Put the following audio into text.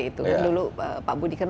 tiga t itu dulu pak budi kan